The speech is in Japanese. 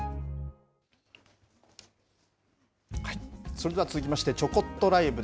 それでは続きまして、ちょこっとＬＩＶＥ！